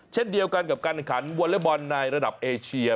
เช่นเดียวกันกับการแข่งขันวอเล็กบอลในระดับเอเชีย